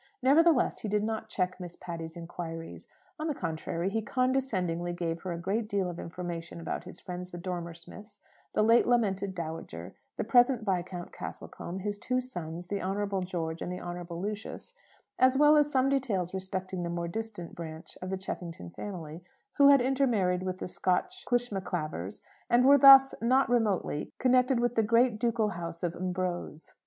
Nevertheless he did not check Miss Patty's inquiries. On the contrary, he condescendingly gave her a great deal of information about his friends the Dormer Smiths, the late lamented Dowager, the present Viscount Castlecombe, his two sons, the Honourable George and the Honourable Lucius, as well as some details respecting the more distant branch of the Cheffington family, who had intermarried with the Scotch Clishmaclavers, and were thus, not remotely, connected with the great ducal house of M'Brose.